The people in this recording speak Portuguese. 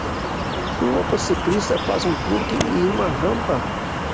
Um motociclista faz um truque em uma rampa.